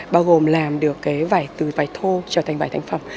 bao gồm làm được cái vải từ vải thô trở thành vải thành phẩm